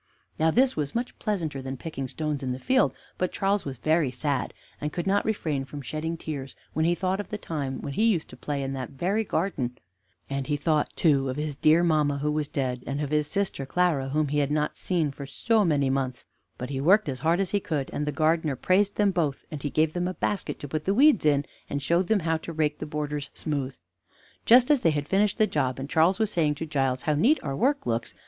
Now this was much pleasanter than picking stones in the field, but Charles was very sad, and could not refrain from shedding tears when he thought of the time when he used to play in that very garden, and he thought, too, of his dear mamma who was dead, and of his sister Clara, whom he had not seen for so many months, but he worked as hard as he could, and the gardener praised them both, and he gave them a basket to put the weeds in, and showed them how to rake the borders smooth. Just as they had finished the job, and Charles was saying to Giles, "How neat our work looks!"